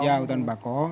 ya hutan bakau